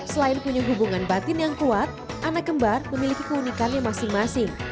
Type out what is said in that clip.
selain punya hubungan batin yang kuat anak kembar memiliki keunikannya masing masing